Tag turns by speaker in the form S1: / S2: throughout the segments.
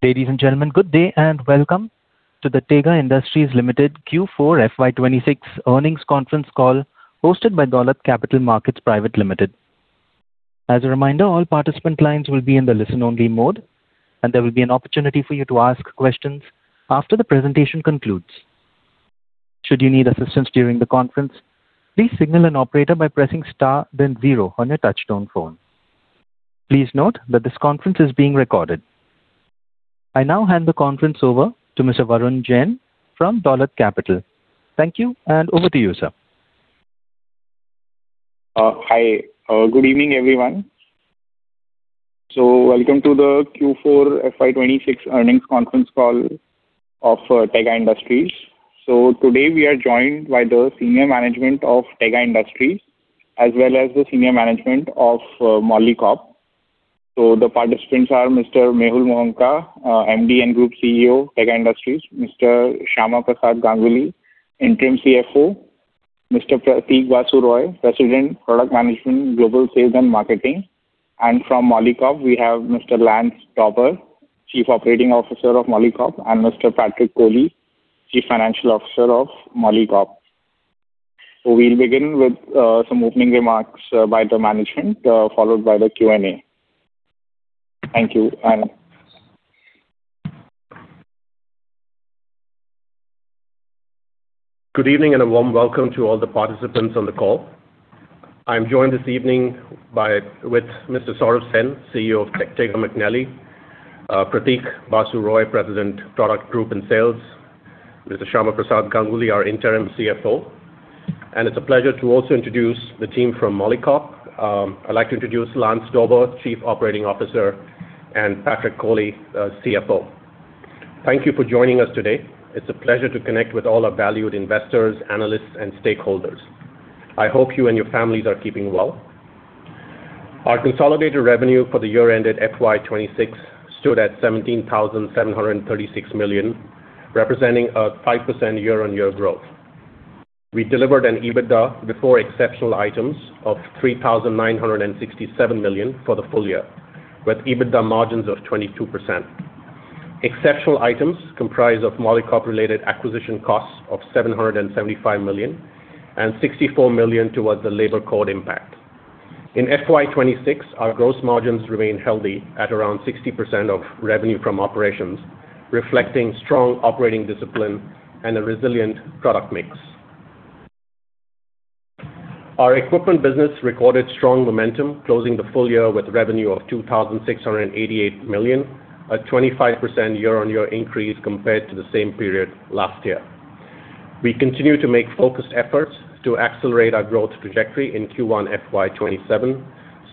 S1: Ladies and gentlemen, good day and welcome to the Tega Industries Limited Q4 FY 2026 earnings conference call hosted by Dolat Capital Markets Private Limited. As a reminder, all participant lines will be in the listen-only mode. There will be an opportunity for you to ask questions after the presentation concludes. Should you need assistance during the conference, please signal an operator by pressing star then zero on your touchtone phone. Please note that this conference is being recorded. I now hand the conference over to Mr. Varun Jain from Dolat Capital. Thank you, and over to you, sir.
S2: Hi. Good evening, everyone. Welcome to the Q4 FY 2026 earnings conference call of Tega Industries. Today we are joined by the senior management of Tega Industries, as well as the senior management of Molycop. The participants are Mr. Mehul Mohanka, MD and Group CEO, Tega Industries, Mr. Shyama Prasad Ganguly, Interim CFO, Mr. Pratik Basu Roy, President, Product Management, Global Sales and Marketing, and from Molycop, we have Mr. Lance Dawber, Chief Commercial Officer of Molycop, and Mr. Patrick Koley, Chief Financial Officer of Molycop. We'll begin with some opening remarks by the management, followed by the Q&A. Thank you.
S3: Good evening and a warm welcome to all the participants on the call. I'm joined this evening with Mr. Sourav Sen, CEO of Tega McNally, Pratik Basu Roy, President, Product Group and Sales, Mr. Shyama Prasad Ganguly, our interim CFO, and it's a pleasure to also introduce the team from Molycop. I'd like to introduce Lance Dawber, Chief Operating Officer, and Patrick Koley, CFO. Thank you for joining us today. It's a pleasure to connect with all our valued investors, analysts, and stakeholders. I hope you and your families are keeping well. Our consolidated revenue for the year ended FY 2026 stood at 17,736 million, representing a 5% year-on-year growth. We delivered an EBITDA before exceptional items of 3,967 million for the full year, with EBITDA margins of 22%. Exceptional items comprise of Molycop-related acquisition costs of 775 million and 64 million towards the labor code impact. In FY 2026, our gross margins remained healthy at around 60% of revenue from operations, reflecting strong operating discipline and a resilient product mix. Our equipment business recorded strong momentum, closing the full year with revenue of 2,688 million, a 25% year-on-year increase compared to the same period last year. We continue to make focused efforts to accelerate our growth trajectory in Q1 FY 2027,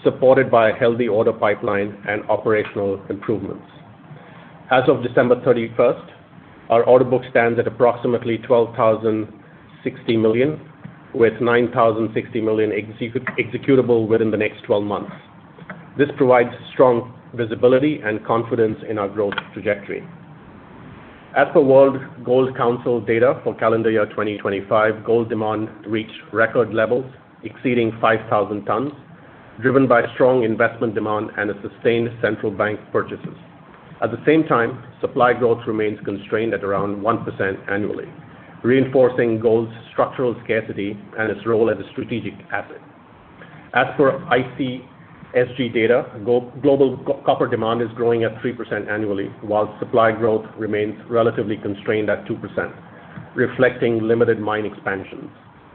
S3: supported by a healthy order pipeline and operational improvements. As of December 31st, our order book stands at approximately 12,060 million, with 9,060 million executable within the next 12 months. This provides strong visibility and confidence in our growth trajectory. As per World Gold Council data for calendar year 2025, gold demand reached record levels exceeding 5,000 tons, driven by strong investment demand and a sustained central bank purchases. At the same time, supply growth remains constrained at around 1% annually, reinforcing gold's structural scarcity and its role as a strategic asset. As per ICSG data, global copper demand is growing at 3% annually, while supply growth remains relatively constrained at 2%, reflecting limited mine expansions.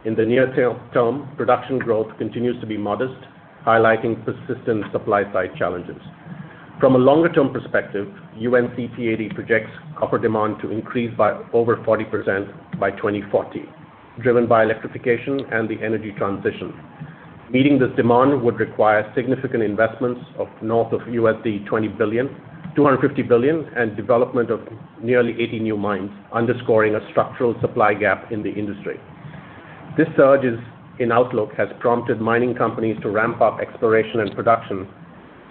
S3: In the near term, production growth continues to be modest, highlighting persistent supply-side challenges. From a longer-term perspective, UNCTAD projects copper demand to increase by over 40% by 2040, driven by electrification and the energy transition. Meeting this demand would require significant investments of north of $250 billion and development of nearly 80 new mines, underscoring a structural supply gap in the industry. This surge in outlook has prompted mining companies to ramp up exploration and production,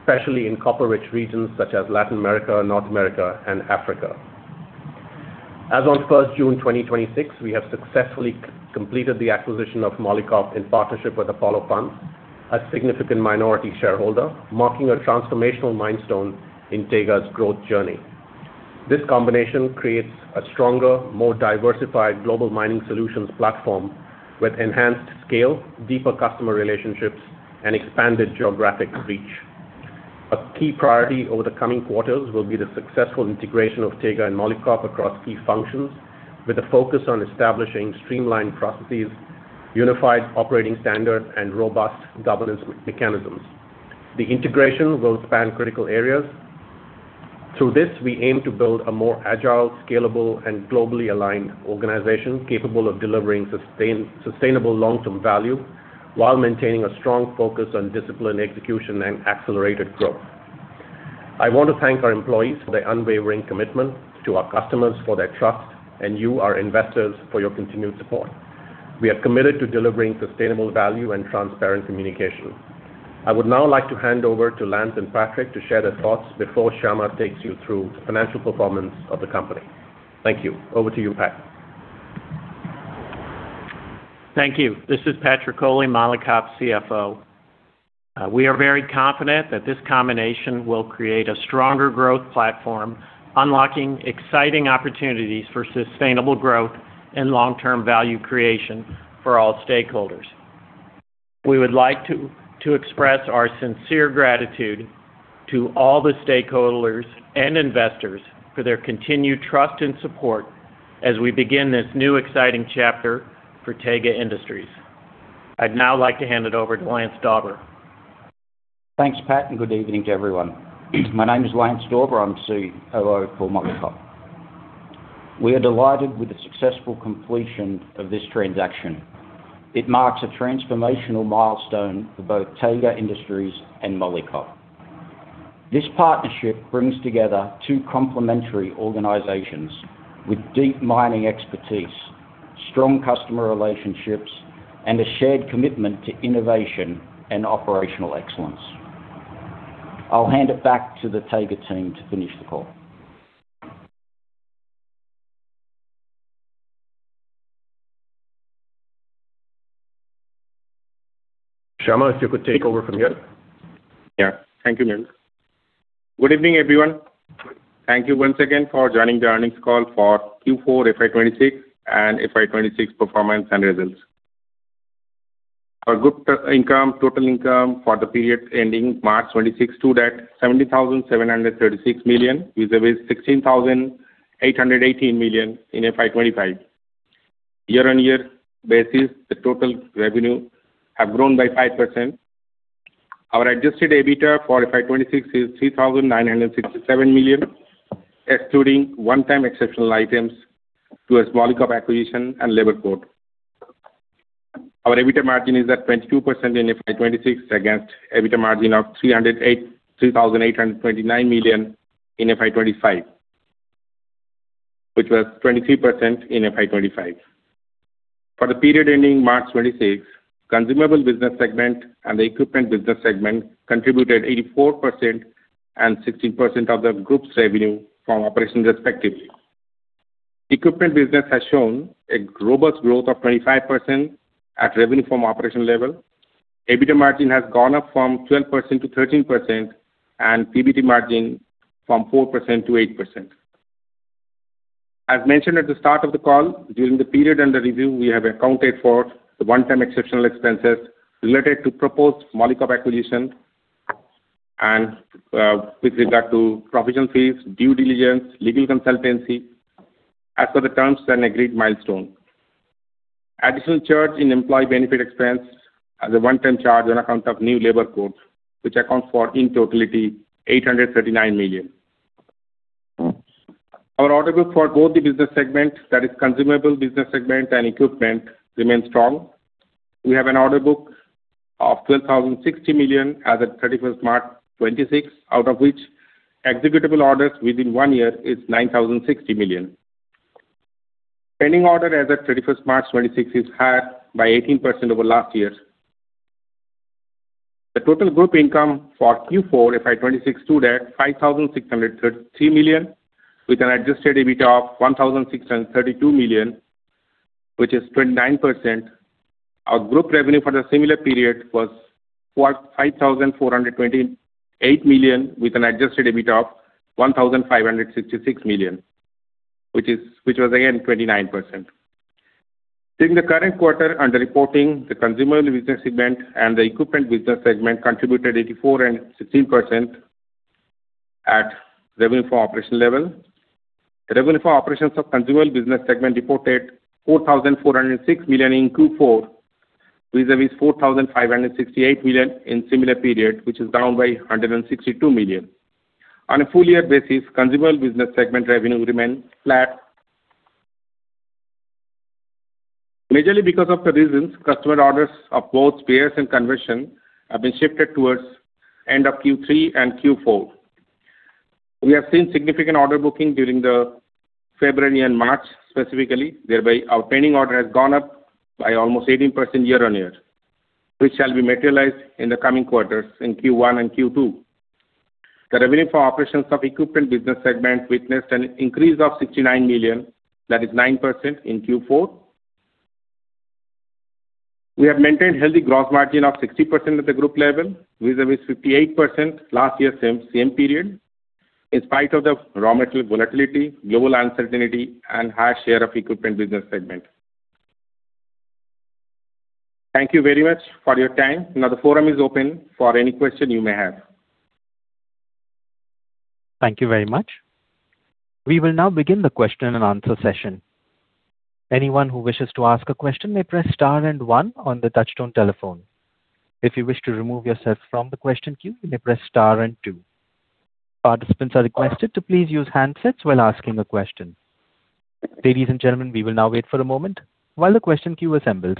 S3: especially in copper-rich regions such as Latin America, North America, and Africa. As on first June 2026, we have successfully completed the acquisition of Molycop in partnership with Apollo Funds, a significant minority shareholder, marking a transformational milestone in Tega's growth journey. This combination creates a stronger, more diversified global mining solutions platform with enhanced scale, deeper customer relationships, and expanded geographic reach. A key priority over the coming quarters will be the successful integration of Tega and Molycop across key functions, with a focus on establishing streamlined processes, unified operating standards, and robust governance mechanisms. The integration will span critical areas. Through this, we aim to build a more agile, scalable, and globally aligned organization capable of delivering sustainable long-term value while maintaining a strong focus on disciplined execution and accelerated growth. I want to thank our employees for their unwavering commitment, to our customers for their trust, and you, our investors, for your continued support. We are committed to delivering sustainable value and transparent communication. I would now like to hand over to Lance and Patrick to share their thoughts before Shyama takes you through the financial performance of the company. Thank you. Over to you, Pat.
S4: Thank you. This is Patrick Koley, Molycop CFO. We are very confident that this combination will create a stronger growth platform, unlocking exciting opportunities for sustainable growth and long-term value creation for all stakeholders. We would like to express our sincere gratitude to all the stakeholders and investors for their continued trust and support as we begin this new exciting chapter for Tega Industries. I'd now like to hand it over to Lance Dawber.
S5: Thanks, Pat, and good evening to everyone. My name is Lance Dawber. I'm COO for Molycop. We are delighted with the successful completion of this transaction. It marks a transformational milestone for both Tega Industries and Molycop. This partnership brings together two complementary organizations with deep mining expertise, strong customer relationships, and a shared commitment to innovation and operational excellence. I'll hand it back to the Tega team to finish the call.
S1: Shyama, if you could take over from here.
S6: Thank you, Neil. Good evening, everyone. Thank you once again for joining the earnings call for Q4 FY 2026 and FY 2026 performance and results. Our group total income for the period ending March 2026 stood at 70,736 million, vis-à-vis 16,818 million in FY 2025. Year-on-year basis, the total revenue have grown by 5%. Our adjusted EBITDA for FY 2026 is 3,967 million, excluding one-time exceptional items towards Molycop acquisition and labor code. Our EBITDA margin is at 22% in FY 2026 against EBITDA margin of 3,829 million in FY 2025, which was 23% in FY 2025. For the period ending March 2026, consumable business segment and the equipment business segment contributed 84% and 16% of the group's revenue from operations respectively. Equipment business has shown a robust growth of 25% at revenue from operation level. EBITDA margin has gone up from 12%-13% and PBT margin from 4%-8%. As mentioned at the start of the call, during the period under review, we have accounted for the one-time exceptional expenses related to proposed Molycop acquisition and with regard to professional fees, due diligence, legal consultancy as per the terms and agreed milestone. Additional charge in employee benefit expense as a one-time charge on account of new labor code, which accounts for, in totality, 839 million. Our order book for both the business segment, that is consumable business segment and equipment, remains strong. We have an order book of 12,060 million as at 31st March 2026, out of which executable orders within one year is 9,060 million. Pending order as at 31st March 2026 is higher by 18% over last year. The total group income for Q4 FY 2026 stood at 5,633 million with an adjusted EBITDA of 1,632 million, which is 29%. Our group revenue for the similar period was 5,428 million with an adjusted EBITDA of 1,566 million, which was again 29%. During the current quarter under reporting, the consumable business segment and the equipment business segment contributed 84% and 16% at revenue from operation level. The revenue from operations of consumable business segment reported 4,406 million in Q4, vis-à-vis 4,568 million in similar period, which is down by 162 million. On a full year basis, consumable business segment revenue remained flat. Majorly because of the reasons customer orders of both spares and conversion have been shifted towards end of Q3 and Q4. We have seen significant order booking during the February and March specifically, whereby our pending order has gone up by almost 18% year-on-year, which shall be materialized in the coming quarters in Q1 and Q2. The revenue for operations of equipment business segment witnessed an increase of 69 million, that is 9%, in Q4. We have maintained healthy gross margin of 60% at the group level, vis-à-vis 58% last year same period, in spite of the raw material volatility, global uncertainty and high share of equipment business segment. Thank you very much for your time. The forum is open for any question you may have.
S1: Thank you very much. We will now begin the question and answer session. Anyone who wishes to ask a question may press star and one on the touchtone telephone. If you wish to remove yourself from the question queue, you may press star and two. Participants are requested to please use handsets while asking a question. Ladies and gentlemen, we will now wait for a moment while the question queue assembles.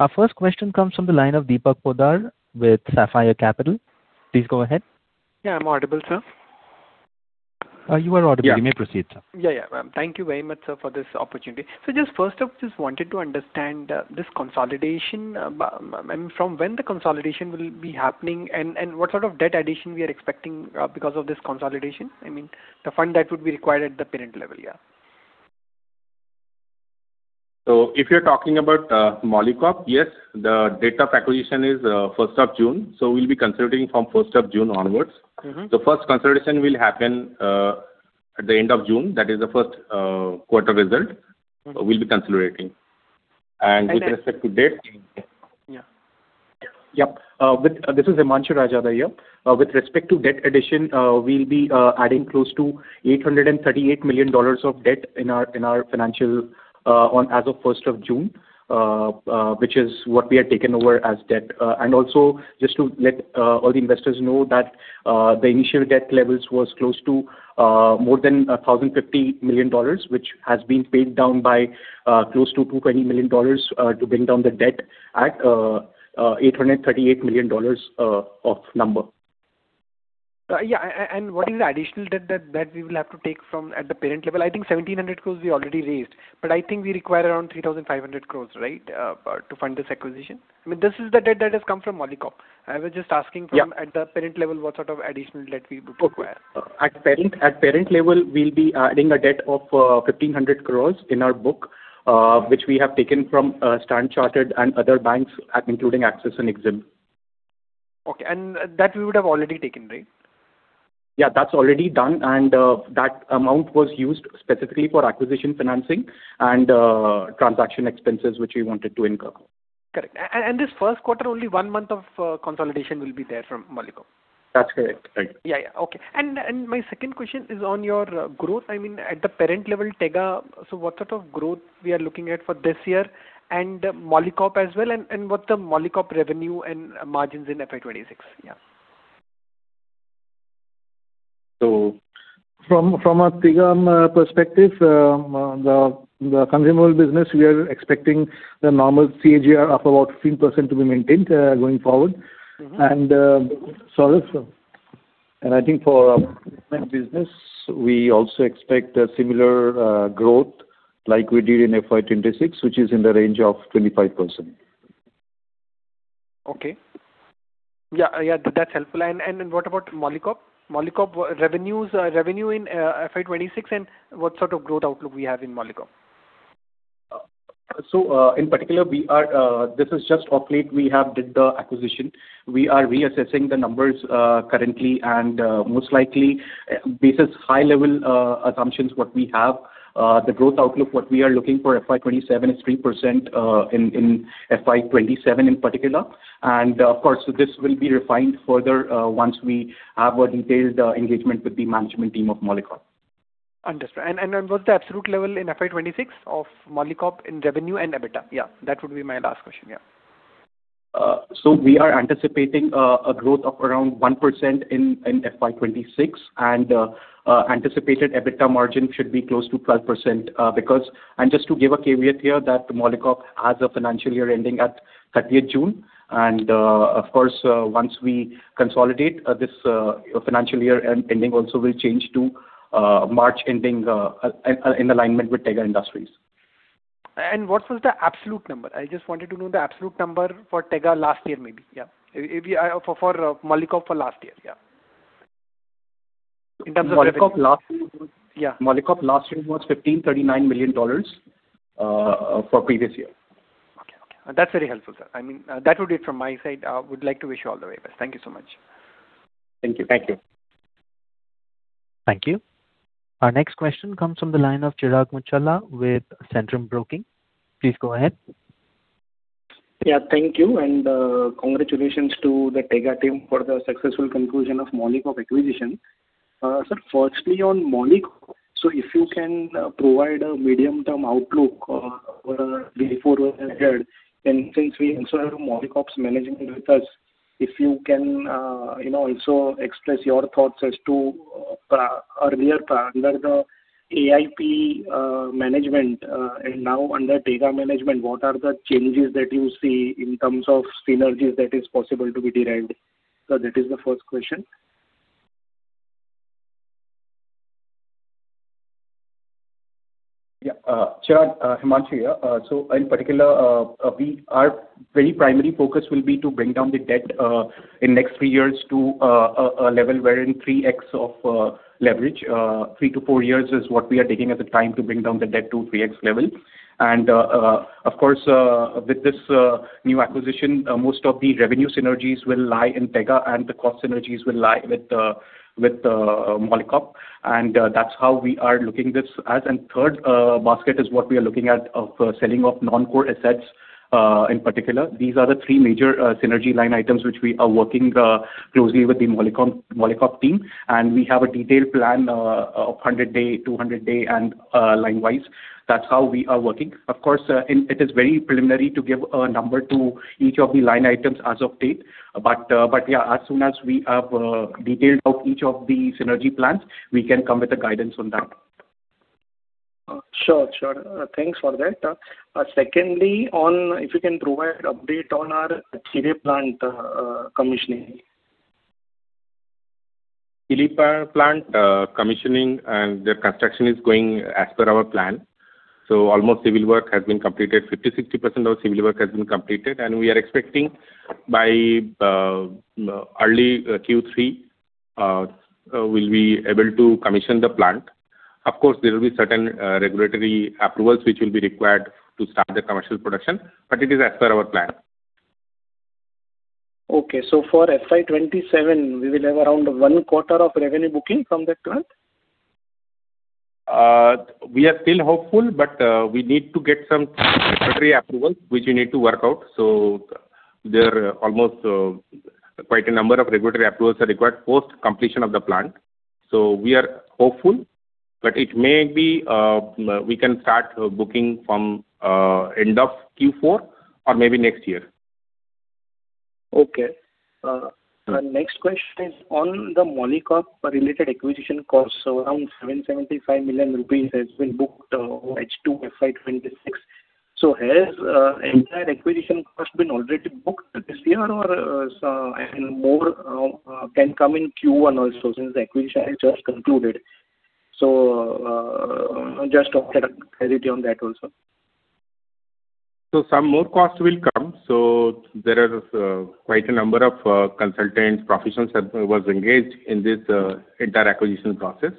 S1: Our first question comes from the line of Deepak Poddar with Sapphire Capital. Please go ahead.
S7: Yeah, I'm audible, sir.
S1: You are audible. You may proceed, sir.
S7: Thank you very much, sir, for this opportunity. First off, just wanted to understand this consolidation. From when the consolidation will be happening and what sort of debt addition we are expecting because of this consolidation? I mean, the fund that would be required at the parent level.
S3: If you're talking about Molycop, yes, the date of acquisition is 1st of June, so we'll be consolidating from 1st of June onwards. The first consolidation will happen at the end of June. That is the first quarter result we'll be consolidating.
S7: Yeah.
S8: Yep. This is Himanshu Raijada here. With respect to debt addition, we'll be adding close to $838 million of debt in our financial as of 1st of June, which is what we have taken over as debt. Also, just to let all the investors know that the initial debt levels was close to more than $1,050 million, which has been paid down by close to $220 million to bring down the debt at $838 million of number.
S7: Yeah. What is the additional debt that we will have to take from at the parent level? I think 1,700 crores we already raised, but I think we require around 3,500 crores, right, to fund this acquisition. I mean, this is the debt that has come from Molycop. I was just asking from at the parent level, what sort of additional debt we would require.
S8: At parent level, we'll be adding a debt of 1,500 crores in our book, which we have taken from Standard Chartered and other banks, including Axis and Exim.
S7: Okay. That we would have already taken, right?
S8: Yeah, that's already done, and that amount was used specifically for acquisition financing and transaction expenses, which we wanted to incur.
S7: Correct. This first quarter, only one month of consolidation will be there from Molycop.
S8: That's correct. Thank you.
S7: Yeah. Okay. My second question is on your growth. At the parent level, Tega, what sort of growth we are looking at for this year and Molycop as well, and what the Molycop revenue and margins in FY 2026? Yeah.
S3: From a Tega perspective, the consumable business, we are expecting the normal CAGR up about 15% to be maintained going forward.
S9: I think for our business, we also expect a similar growth like we did in FY 2026, which is in the range of 25%.
S7: Okay. Yeah, that's helpful. What about Molycop? Molycop revenue in FY 2026, and what sort of growth outlook we have in Molycop?
S3: In particular, this is just off late, we have did the acquisition. We are reassessing the numbers currently, and most likely, basis high-level assumptions what we have, the growth outlook what we are looking for FY 2027 is 3% in FY 2027 in particular. Of course, this will be refined further once we have a detailed engagement with the management team of Molycop.
S7: Understood. What's the absolute level in FY 2026 of Molycop in revenue and EBITDA? Yeah, that would be my last question. Yeah.
S4: We are anticipating a growth of around 1% in FY 2026 and anticipated EBITDA margin should be close to 12%. Just to give a caveat here that Molycop has a financial year ending at 30th June. Of course, once we consolidate this financial year ending also will change to March ending in alignment with Tega Industries.
S7: What was the absolute number? I just wanted to know the absolute number for Tega last year, maybe. Yeah. For Molycop for last year. Yeah. In terms of revenue.
S4: Molycop last year was INR 1,539 million for previous year.
S7: Okay. That's very helpful, sir. I mean, that would be it from my side. Would like to wish you all the very best. Thank you so much.
S3: Thank you.
S4: Thank you.
S1: Thank you. Our next question comes from the line of Chirag Muchhala with Centrum Broking. Please go ahead.
S10: Yeah, thank you, and congratulations to the Tega team for the successful conclusion of Molycop acquisition. Sir, firstly on Molycop, if you can provide a medium-term outlook over three, four years ahead, since we also have Molycop's management with us, if you can also express your thoughts as to earlier under the AIP management and now under Tega management, what are the changes that you see in terms of synergies that is possible to be derived? Sir, that is the first question.
S8: Yeah. Chirag, Himanshu here. In particular, our very primary focus will be to bring down the debt in next three years to a level wherein 3x of leverage. Three to four years is what we are taking as a time to bring down the debt to 3x level. Of course, with this new acquisition, most of the revenue synergies will lie in Tega and the cost synergies will lie with Molycop. That's how we are looking this as. Third basket is what we are looking at of selling off non-core assets. In particular, these are the three major synergy line items, which we are working closely with the Molycop team, and we have a detailed plan of 100-day, 200-day, and line-wise. That's how we are working. Of course, it is very preliminary to give a number to each of the line items as of date. Yeah, as soon as we have detailed out each of the synergy plans, we can come with a guidance on that.
S10: Sure. Thanks for that. Secondly, if you can provide update on our Chile plant commissioning.
S8: Chile plant commissioning and the construction is going as per our plan. Almost civil work has been completed. 50%, 60% of civil work has been completed, and we are expecting by early Q3 we'll be able to commission the plant. Of course, there will be certain regulatory approvals which will be required to start the commercial production. It is as per our plan.
S10: Okay. For FY 2027, we will have around one quarter of revenue booking from that plant?
S8: We are still hopeful, we need to get some regulatory approval, which we need to work out. There are almost quite a number of regulatory approvals are required post-completion of the plant. We are hopeful, but it may be we can start booking from end of Q4 or maybe next year.
S10: Okay. The next question is on the Molycop-related acquisition cost. Around 775 million rupees has been booked H2 FY 2026. Has entire acquisition cost been already booked this year or more can come in Q1 also since the acquisition has just concluded? Just clarity on that also.
S6: Some more cost will come. There are quite a number of consultants, professionals that was engaged in this entire acquisition process.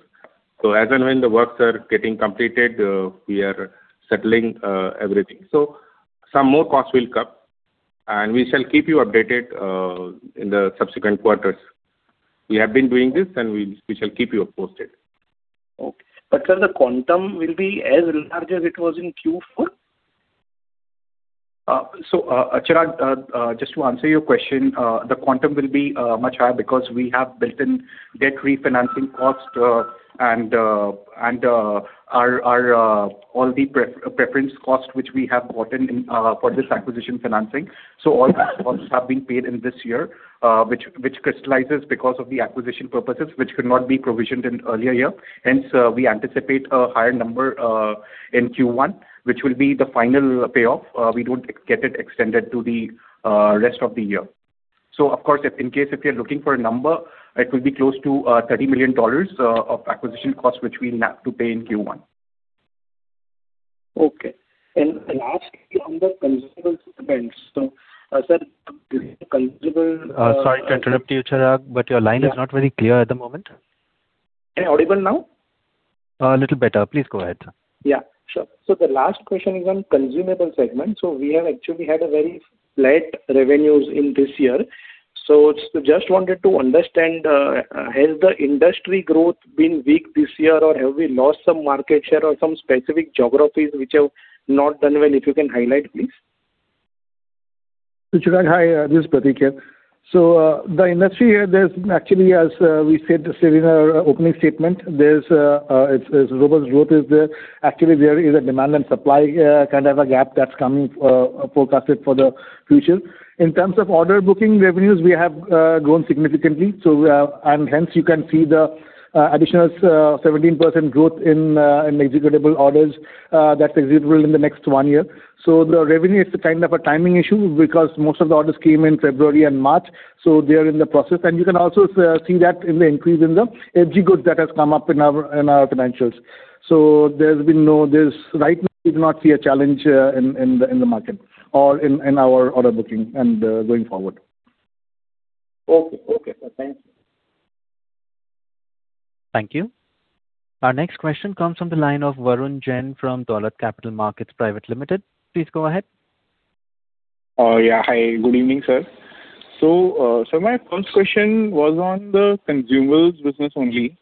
S6: As and when the works are getting completed, we are settling everything. Some more cost will come, and we shall keep you updated in the subsequent quarters. We have been doing this, and we shall keep you posted.
S10: Okay. Sir, the quantum will be as large as it was in Q4?
S8: Chirag, just to answer your question, the quantum will be much higher because we have built in debt refinancing cost and all the preference cost, which we have gotten for this acquisition financing. All those costs have been paid in this year which crystallizes because of the acquisition purposes, which could not be provisioned in earlier year. Hence, we anticipate a higher number in Q1, which will be the final payoff. We don't get it extended to the rest of the year. Of course, in case if you're looking for a number, it will be close to INR 30 million of acquisition costs, which we'll have to pay in Q1.
S10: Okay. Last on the consumable segment. Sir. [inaudible]
S1: Sorry to interrupt you, Chirag, but your line is not very clear at the moment.
S10: Am I audible now?
S1: A little better. Please go ahead.
S10: Yeah, sure. The last question is on consumable segment. We have actually had a very flat revenues in this year. Just wanted to understand, has the industry growth been weak this year, or have we lost some market share or some specific geographies which have not done well? If you can highlight, please.
S9: Chirag, hi, this is Pratik here. The industry there's actually, as we said in our opening statement, robust growth is there. Actually, there is a demand and supply kind of a gap that's coming forecasted for the future. In terms of order booking revenues, we have grown significantly. Hence you can see the additional 17% growth in executable orders that's executable in the next one year. The revenue is a kind of a timing issue because most of the orders came in February and March, so they are in the process. You can also see that in the increase in the FG goods that has come up in our financials. Right now we do not see a challenge in the market or in our order booking and going forward.
S10: Okay. Sir, thank you.
S1: Thank you. Our next question comes from the line of Varun Jain from Dolat Capital Markets Private Limited. Please go ahead.
S2: Yeah. Hi, good evening, sir. Sir, my first question was on the consumables business only.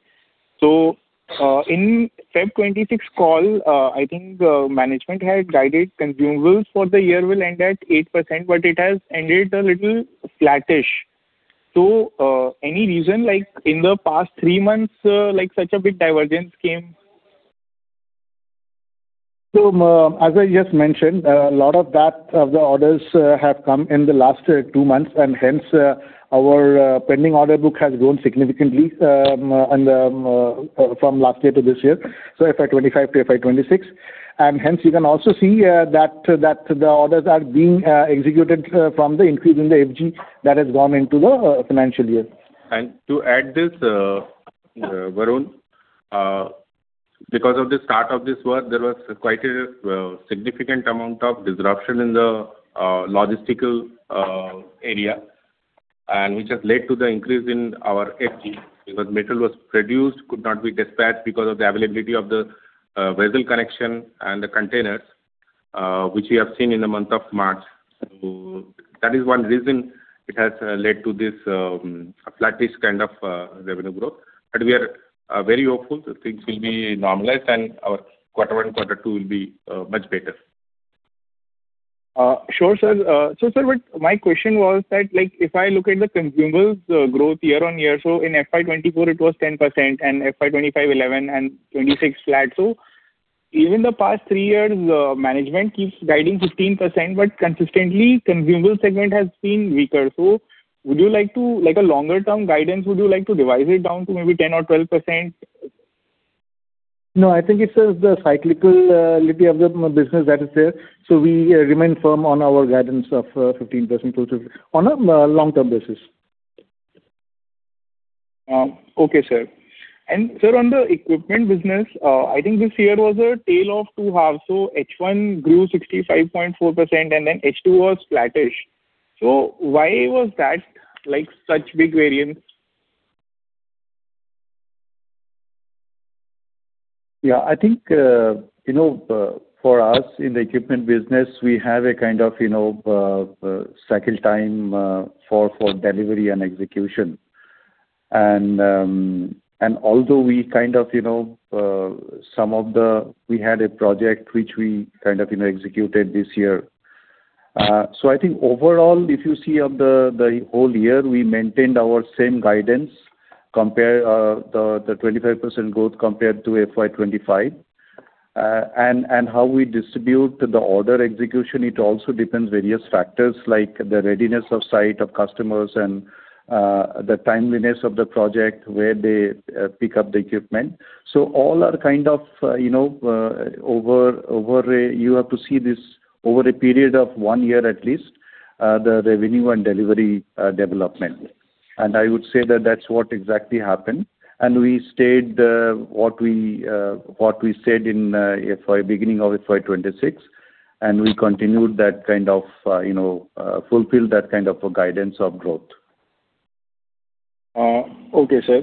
S2: In February 26 call, I think management had guided consumables for the year will end at 8%, but it has ended a little flattish. Any reason, like in the past three months such a big divergence came?
S9: As I just mentioned, a lot of that of the orders have come in the last two months. Hence our pending order book has grown significantly from last year to this year, FY 2025 to FY 2026. Hence you can also see that the orders are being executed from the increase in the FG that has gone into the financial year.
S6: To add this, Varun, because of the start of this work, there was quite a significant amount of disruption in the logistical area, which has led to the increase in our FG because metal was produced could not be dispatched because of the availability of the vessel connection and the containers which we have seen in the month of March. That is one reason it has led to this flattish kind of revenue growth. We are very hopeful that things will be normalized and our quarter one and quarter two will be much better.
S2: Sure, sir. My question was that if I look at the consumables growth year-over-year, in FY 2024 it was 10%, FY 2025, 11%, 26 flat. Even the past three years management keeps guiding 15%, consistently consumable segment has been weaker. Like a longer-term guidance, would you like to revise it down to maybe 10% or 12%?
S9: No, I think it is the cyclicality of the business that is there. We remain firm on our guidance of 15% growth on a long-term basis.
S2: Okay, sir. Sir, on the equipment business, I think this year was a tale of two halves. H1 grew 65.4% and then H2 was flattish. Why was that such big variance?
S6: Yeah, I think for us in the equipment business, we have a kind of cycle time for delivery and execution. Although we had a project which we kind of executed this year. I think overall, if you see the whole year, we maintained our same guidance, the 25% growth compared to FY 2025. How we distribute the order execution, it also depends various factors like the readiness of site of customers and the timeliness of the project where they pick up the equipment. All are kind of over. You have to see this over a period of one year at least, the revenue and delivery development. I would say that that's what exactly happened. We stayed what we said in beginning of FY 2026, and we continued that kind of, fulfilled that kind of a guidance of growth.
S2: Okay, sir.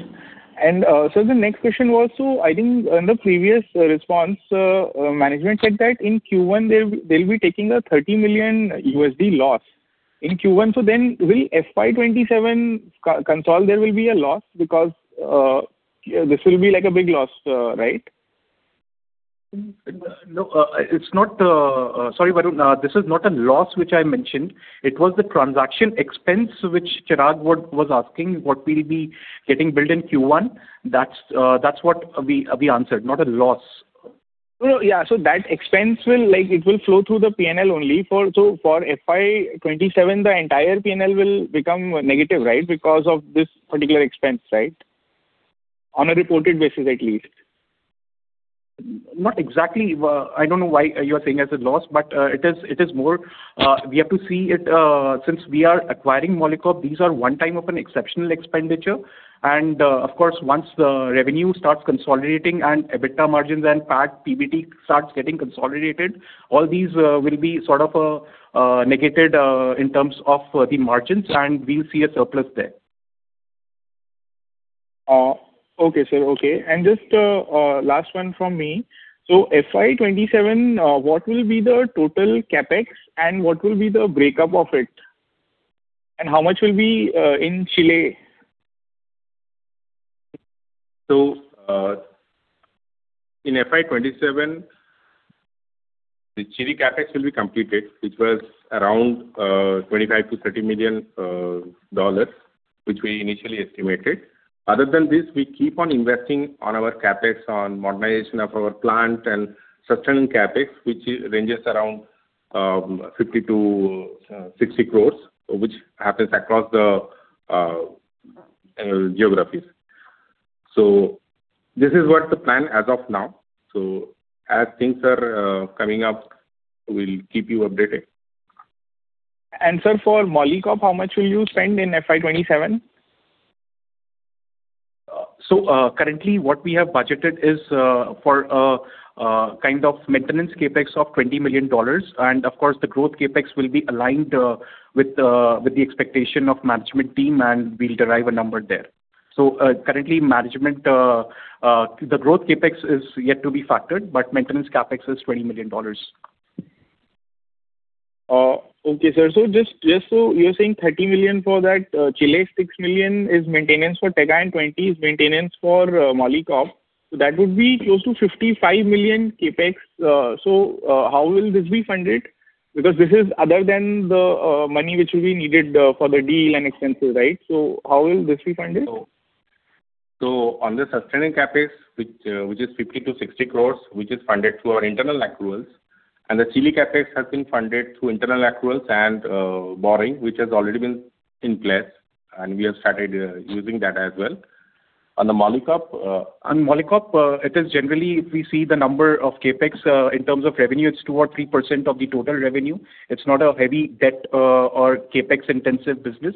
S2: Sir, the next question was, I think in the previous response, management said that in Q1 they'll be taking a $30 million loss. In Q1, will FY 2027 consolidated, there will be a loss because this will be like a big loss, right?
S8: No. Sorry, Varun. This is not a loss which I mentioned. It was the transaction expense which Chirag was asking, what we'll be getting billed in Q1. That's what we answered, not a loss.
S2: No, yeah. That expense, it will flow through the P&L only. For FY 2027, the entire P&L will become negative, right? Because of this particular expense, right? On a reported basis, at least.
S8: Not exactly. I don't know why you are saying as a loss. We have to see it, since we are acquiring Molycop, these are one time of an exceptional expenditure. Of course, once the revenue starts consolidating and EBITDA margins and PAT PBT starts getting consolidated, all these will be sort of negated in terms of the margins, and we'll see a surplus there.
S2: Okay, sir. Okay. Just last one from me. FY 2027, what will be the total CapEx and what will be the breakup of it? How much will be in Chile?
S6: In FY 2027, the Chile CapEx will be completed, which was around $25 million-$30 million, which we initially estimated. Other than this, we keep on investing on our CapEx on modernization of our plant and sustaining CapEx, which ranges around 50-60 crores, which happens across the geographies. This is what the plan as of now. As things are coming up, we'll keep you updated.
S2: Sir, for Molycop, how much will you spend in FY 2027?
S8: Currently what we have budgeted is for a kind of maintenance CapEx of $20 million. Of course, the growth CapEx will be aligned with the expectation of management team, and we'll derive a number there. Currently management, the growth CapEx is yet to be factored, but maintenance CapEx is $20 million.
S2: Okay, sir. You're saying 30 million for that Chile, 6 million is maintenance for Tega, and 20 million is maintenance for Molycop. That would be close to 55 million CapEx. How will this be funded? Because this is other than the money which will be needed for the deal and expenses, right? How will this be funded?
S6: On the sustaining CapEx, which is 50 crores-60 crores, which is funded through our internal accruals, and the Chile CapEx has been funded through internal accruals and borrowing, which has already been in place. We have started using that as well. On Molycop, it is generally, if we see the number of CapEx in terms of revenue, it's 2% or 3% of the total revenue. It's not a heavy debt or CapEx-intensive business.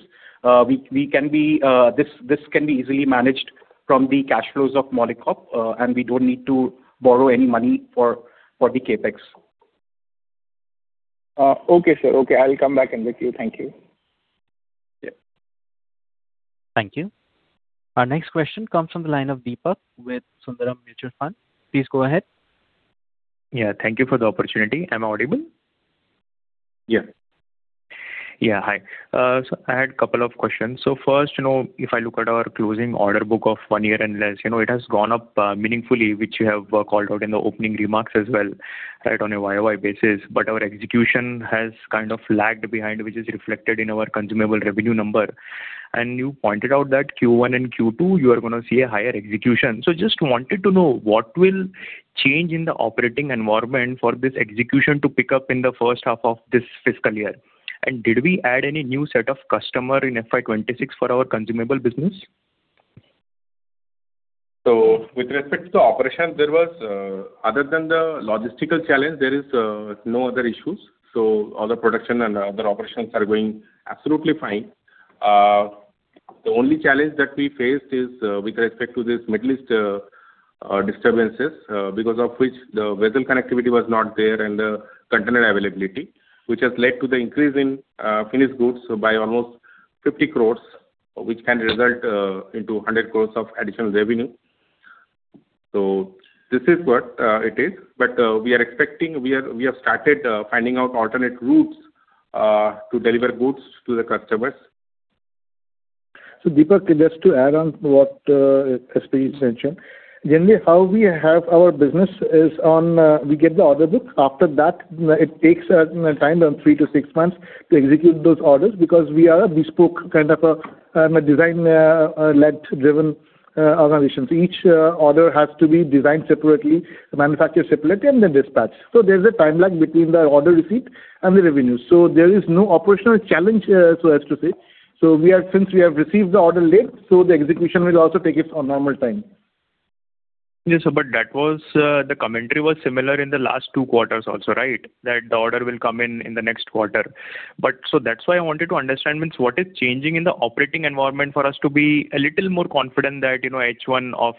S6: This can be easily managed from the cash flows of Molycop, and we don't need to borrow any money for the CapEx.
S2: Okay, sir. Okay, I'll come back in with you. Thank you.
S6: Yeah.
S1: Thank you. Our next question comes from the line of Deepak with Sundaram Mutual Fund. Please go ahead.
S11: Yeah, thank you for the opportunity. Am I audible?
S1: Yeah.
S11: Yeah, hi. I had couple of questions. First, if I look at our closing order book of one year and less, it has gone up meaningfully, which you have called out in the opening remarks as well on a YOY basis. Our execution has kind of lagged behind, which is reflected in our consumable revenue number. You pointed out that Q1 and Q2, you are going to see a higher execution. Just wanted to know what will change in the operating environment for this execution to pick up in the first half of this fiscal year. Did we add any new set of customer in FY 2026 for our consumable business?
S6: With respect to operations, other than the logistical challenge, there is no other issues. All the production and other operations are going absolutely fine. The only challenge that we faced is with respect to this Middle East disturbances, because of which the vessel connectivity was not there and the container availability, which has led to the increase in finished goods by almost 50 crores, which can result into 100 crores of additional revenue. This is what it is. We have started finding out alternate routes to deliver goods to the customers.
S9: Deepak, just to add on what SP has mentioned. Generally, how we have our business is we get the order book. After that, it takes time, three to six months, to execute those orders because we are a bespoke kind of a design-led, driven organization. Each order has to be designed separately, manufactured separately, and then dispatched. There's a time lag between the order receipt and the revenue. There is no operational challenge so as to say. Since we have received the order late, so the execution will also take its normal time.
S11: Yes, sir. The commentary was similar in the last two quarters also, right? That the order will come in the next quarter. That's why I wanted to understand, what is changing in the operating environment for us to be a little more confident that H1 of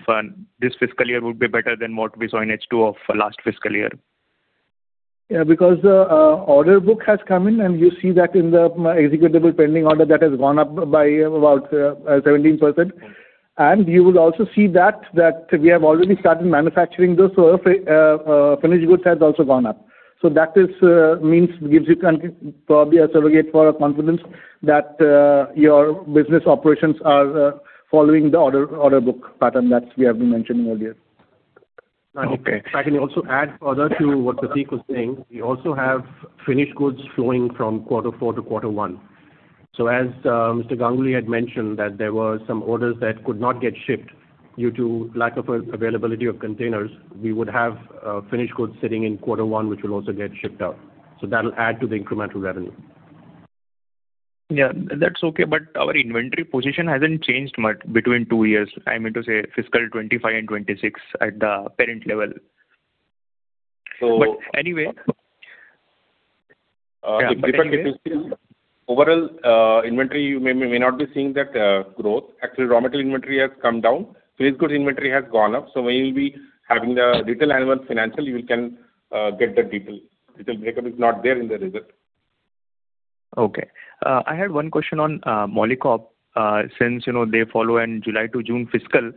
S11: this fiscal year would be better than what we saw in H2 of last fiscal year.
S9: Yeah, because the order book has come in and you see that in the executable pending order that has gone up by about 17%. You will also see that we have already started manufacturing those, so finished goods has also gone up. That means it gives you probably a surrogate for our confidence that your business operations are following the order book pattern that we have been mentioning earlier.
S11: Okay.
S3: If I can also add further to what Pratik was saying, we also have finished goods flowing from Q4 to Q1. As Mr. Ganguly had mentioned that there were some orders that could not get shipped due to lack of availability of containers, we would have finished goods sitting in Q1, which will also get shipped out. That'll add to the incremental revenue.
S11: Yeah. That's okay. Our inventory position hasn't changed much between two years. I meant to say fiscal 2025 and 2026 at the parent level.
S6: Deepak, if you see overall inventory, you may or may not be seeing that growth. Actually, raw material inventory has come down. Finished goods inventory has gone up. When you will be having the detail annual financial, you can get the detail. Detail breakup is not there in the result.
S11: Okay. I had one question on Molycop. They follow a July to June fiscal.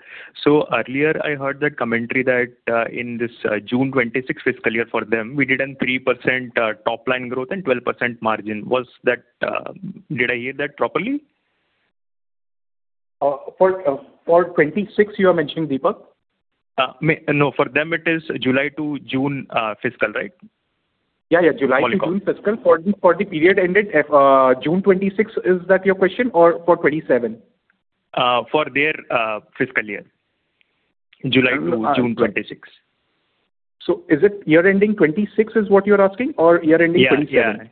S11: Earlier I heard that commentary that in this June 2026 fiscal year for them, we did a 3% top-line growth and 12% margin. Did I hear that properly?
S8: For 2026 you are mentioning, Deepak?
S11: No. For them it is July to June fiscal, right?
S8: Yeah. July to June fiscal for the period ended June 2026. Is that your question or for 2027?
S11: For their fiscal year, July to June 2026.
S8: Is it year ending 2026 is what you're asking or year ending 2027?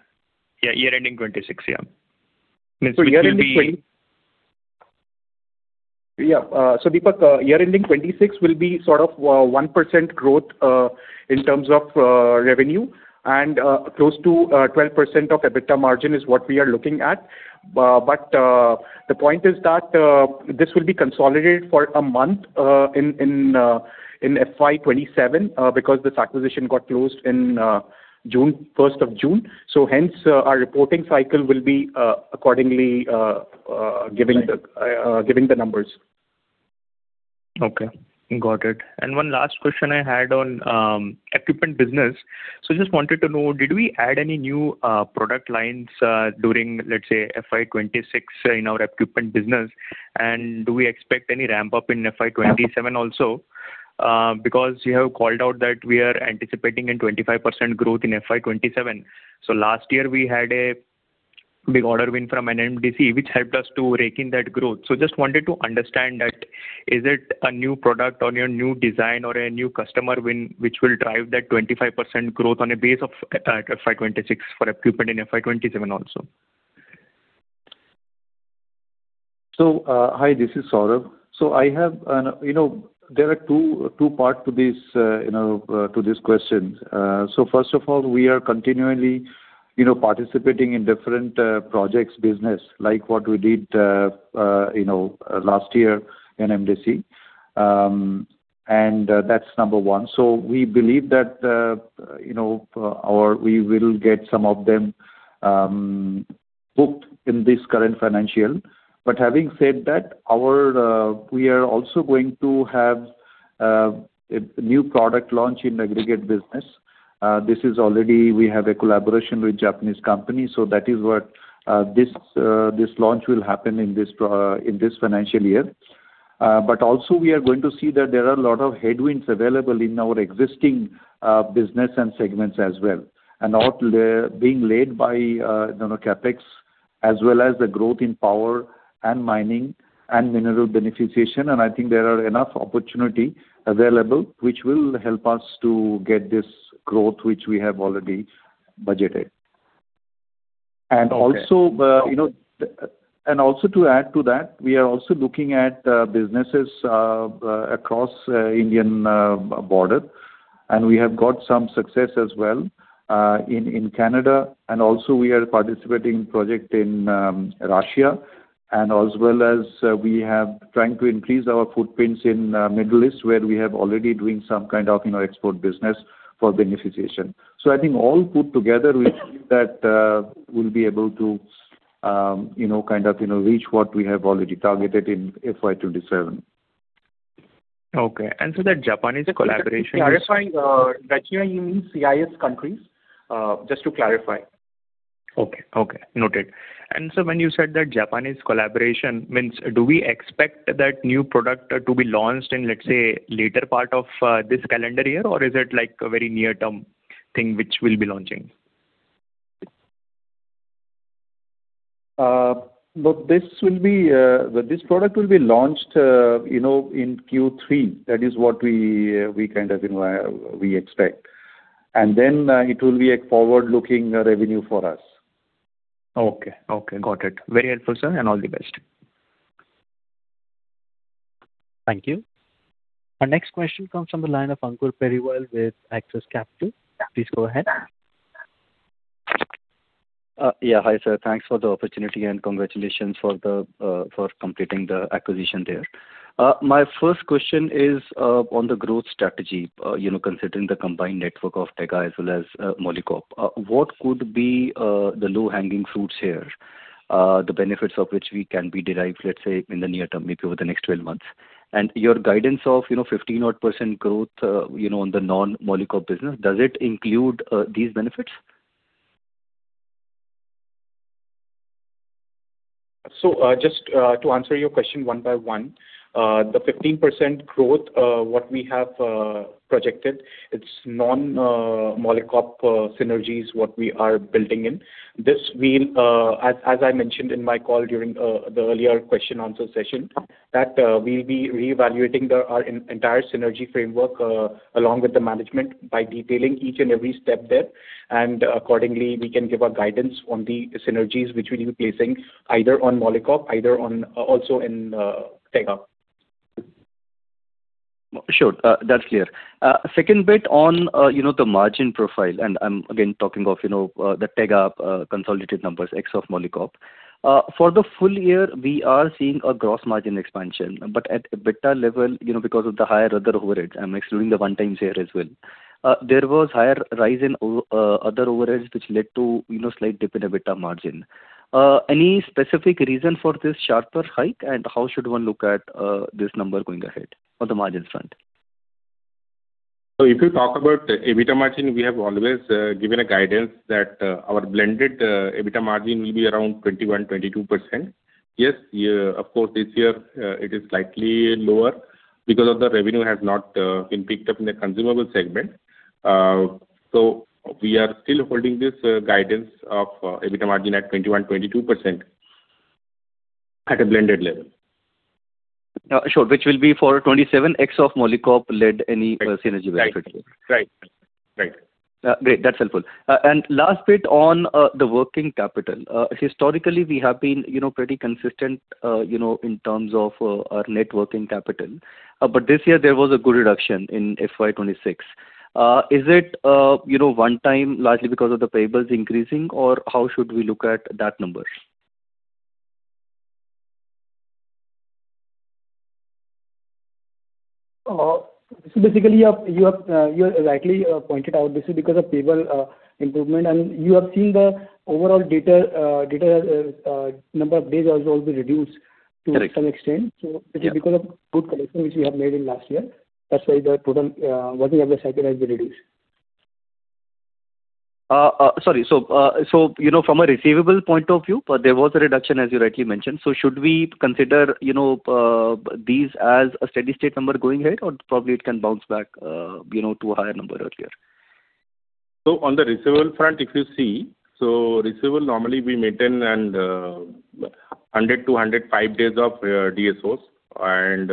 S11: Yeah. Year ending 2026, yeah.
S8: Deepak, year ending 2026 will be sort of 1% growth in terms of revenue and close to 12% of EBITDA margin is what we are looking at. The point is that this will be consolidated for a month in FY 2027 because this acquisition got closed in 1st of June. Hence our reporting cycle will be accordingly giving the numbers.
S11: Okay. Got it. One last question I had on equipment business. Just wanted to know, did we add any new product lines during, let's say, FY 2026 in our equipment business? Do we expect any ramp-up in FY 2027 also? You have called out that we are anticipating a 25% growth in FY 2027. Last year we had a big order win from NMDC, which helped us to rake in that growth. Just wanted to understand that is it a new product on your new design or a new customer win which will drive that 25% growth on a base of FY 2026 for equipment in FY 2027 also?
S12: Hi, this is Sourav. There are two parts to these questions. First of all, we are continually participating in different projects business like what we did last year in NMDC, and that's number one. We believe that we will get some of them booked in this current financial. Having said that, we are also going to have a new product launch in aggregate business. This is already we have a collaboration with Japanese company so that is what this launch will happen in this financial year. Also we are going to see that there are a lot of headwinds available in our existing business and segments as well, and all being led by CapEx as well as the growth in power and mining and mineral beneficiation and I think there are enough opportunity available which will help us to get this growth which we have already budgeted. Also to add to that, we are also looking at businesses across Indian border. We have got some success as well in Canada, and also we are participating in project in Russia, and as well as we have trying to increase our footprints in Middle East where we have already doing some kind of export business for beneficiation. I think all put together we think that we'll be able to reach what we have already targeted in FY 2027.
S11: Okay. That Japanese collaboration.
S12: To clarify, by here you mean CIS countries? Just to clarify.
S11: Okay. Noted. When you said that Japanese collaboration means do we expect that new product to be launched in, let's say, later part of this calendar year or is it like a very near-term thing which we'll be launching?
S12: Look, this product will be launched in Q3. That is what we expect. Then it will be a forward-looking revenue for us.
S11: Okay. Got it. Very helpful, sir, and all the best.
S1: Thank you. Our next question comes from the line of Ankur Periwal with Axis Capital. Please go ahead.
S13: Hi, sir. Thanks for the opportunity and congratulations for completing the acquisition there. My first question is on the growth strategy. Considering the combined network of Tega as well as Molycop, what could be the low-hanging fruits here, the benefits of which we can be derived, let's say, in the near term, maybe over the next 12 months? Your guidance of 15% odd growth on the non-Molycop business, does it include these benefits?
S8: Just to answer your question one by one. The 15% growth, what we have projected, it's non-Molycop synergies what we are building in. This will, as I mentioned in my call during the earlier question answer session, that we'll be reevaluating our entire synergy framework along with the management by detailing each and every step there. Accordingly, we can give our guidance on the synergies which we'll be placing either on Molycop, also in Tega.
S13: Sure. That's clear. Second bit on the margin profile, I'm again talking of the Tega consolidated numbers ex of Molycop. For the full year, we are seeing a gross margin expansion, but at EBITDA level because of the higher other overheads, I'm excluding the one times here as well. There was higher rise in other overheads, which led to slight dip in EBITDA margin. Any specific reason for this sharper hike and how should one look at this number going ahead on the margin front?
S6: If you talk about the EBITDA margin, we have always given a guidance that our blended EBITDA margin will be around 21%-22%. This year it is slightly lower because of the revenue has not been picked up in the consumable segment. We are still holding this guidance of EBITDA margin at 21%-22% at a blended level.
S13: Sure. Which will be for 2027 ex of Molycop led any synergy benefit.
S6: Right.
S13: Great. That's helpful. Last bit on the working capital. Historically, we have been pretty consistent in terms of our net working capital. This year there was a good reduction in FY 2026. Is it one-time largely because of the payables increasing or how should we look at that number?
S8: Basically, you have rightly pointed out this is because of payable improvement and you have seen the overall data number of days has also been reduced to some extent. It is because of good collection which we have made in last year. That's why the total working capital cycle has been reduced.
S13: Sorry. From a receivable point of view, there was a reduction as you rightly mentioned. Should we consider these as a steady state number going ahead or probably it can bounce back to a higher number earlier?
S6: On the receivable front if you see, receivable normally we maintain and 100 to 105 days of DSOs and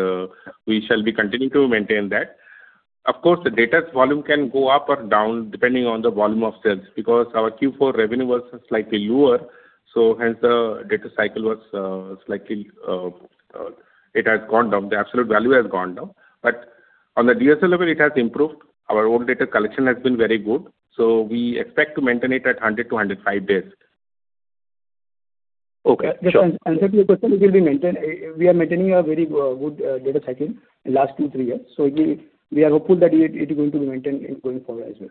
S6: we shall be continuing to maintain that. Of course, the data's volume can go up or down depending on the volume of sales because our Q4 revenue was slightly lower, hence the data cycle was slightly. It has gone down. The absolute value has gone down. On the DSO level it has improved. Our own data collection has been very good, we expect to maintain it at 100 to 105 days.
S13: Okay. Sure.
S8: Just to answer your question, it will be maintained. We are maintaining a very good data cycle in last two, three years. We are hopeful that it is going to be maintained going forward as well.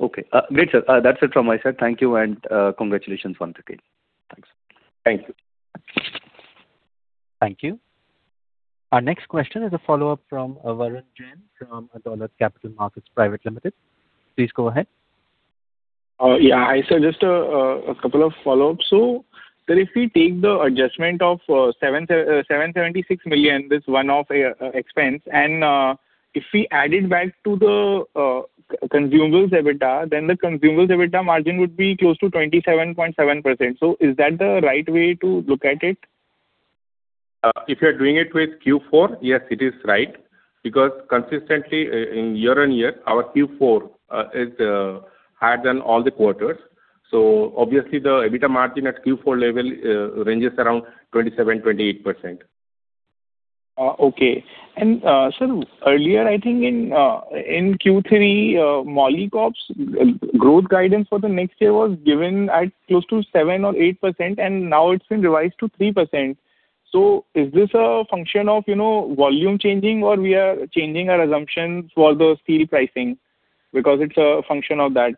S13: Okay. Great, sir. That's it from my side. Thank you and congratulations once again. Thanks.
S6: Thank you.
S1: Thank you. Our next question is a follow-up from Varun Jain from Dolat Capital Markets Private Limited. Please go ahead.
S2: Yeah. Hi, sir, just a couple of follow-ups. Sir, if we take the adjustment of 776 million, this one-off expense and if we add it back to the consumables EBITDA, the consumables EBITDA margin would be close to 27.7%. Is that the right way to look at it?
S6: If you're doing it with Q4, yes it is right because consistently in year-over-year our Q4 is higher than all the quarters. Obviously, the EBITDA margin at Q4 level ranges around 27%-28%.
S2: Okay. Sir, earlier I think in Q3, Molycop's growth guidance for the next year was given at close to 7% or 8%, now it's been revised to 3%. Is this a function of volume changing or we are changing our assumptions for the steel pricing because it's a function of that?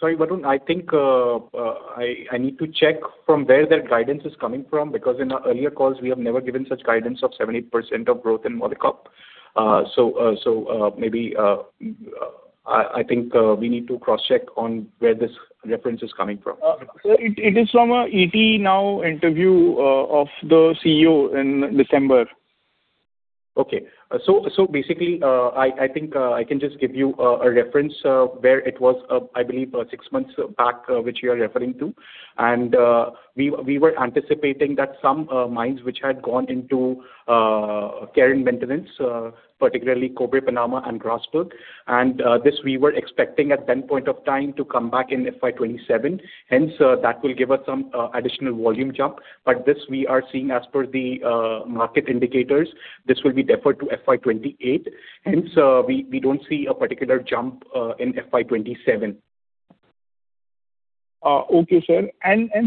S8: Sorry, Varun, I think I need to check from where that guidance is coming from, because in our earlier calls, we have never given such guidance of 70% of growth in Molycop. Maybe, I think, we need to cross-check on where this reference is coming from.
S2: Sir, it is from a ET Now interview of the CEO in December.
S8: Okay. Basically, I think I can just give you a reference where it was, I believe six months back, which you are referring to. We were anticipating that some mines which had gone into care and maintenance, particularly Cobre Panama and Grasberg. This we were expecting at then point of time to come back in FY 2027, that will give us some additional volume jump. This we are seeing as per the market indicators. This will be deferred to FY 2028. We don't see a particular jump in FY 2027.
S2: Okay, sir.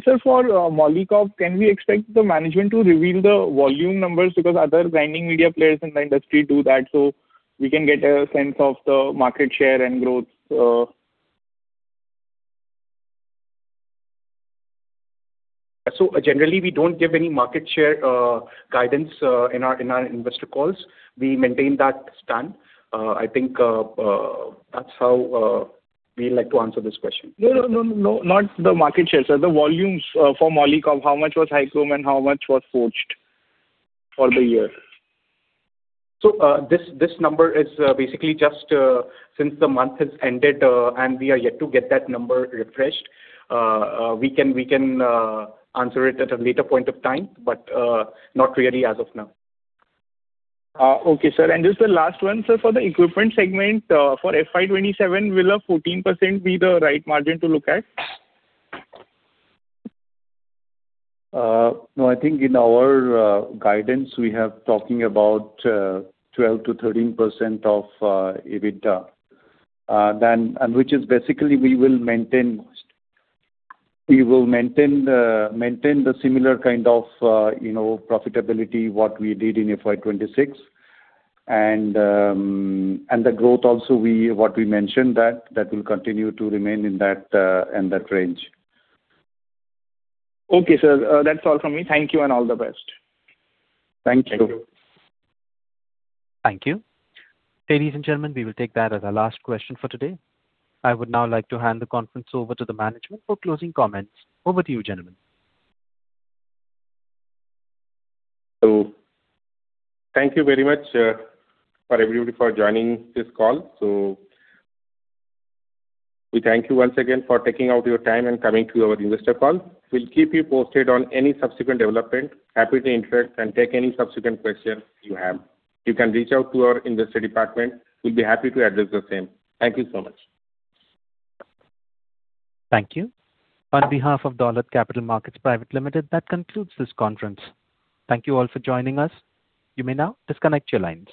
S2: Sir, for Molycop, can we expect the management to reveal the volume numbers? Because other grinding media players in the industry do that, so we can get a sense of the market share and growth.
S8: Generally, we don't give any market share guidance in our investor calls. We maintain that stand. I think that's how we like to answer this question.
S2: No, not the market share, sir. The volumes for Molycop. How much was High-Chrome and how much was Forged for the year?
S8: This number is basically just since the month has ended, and we are yet to get that number refreshed. We can answer it at a later point of time, but not really as of now.
S2: Okay, sir. Just the last one, sir. For the equipment segment, for FY 2027, will a 14% be the right margin to look at?
S6: No, I think in our guidance, we have talking about 12%-13% of EBITDA, which is basically we will maintain the similar kind of profitability, what we did in FY 2026. The growth also, what we mentioned, that will continue to remain in that range.
S2: Okay, sir. That's all from me. Thank you and all the best.
S6: Thank you.
S1: Thank you. Ladies and gentlemen, we will take that as our last question for today. I would now like to hand the conference over to the management for closing comments. Over to you, gentlemen.
S3: Thank you very much, everybody, for joining this call. We thank you once again for taking out your time and coming to our investor call. We'll keep you posted on any subsequent development. Happy to interact and take any subsequent questions you have. You can reach out to our investor department. We'll be happy to address the same. Thank you so much.
S1: Thank you. On behalf of Dolat Capital Markets Private Limited, that concludes this conference. Thank you all for joining us. You may now disconnect your lines.